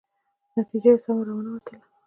نتیجه یې سمه را ونه وتله.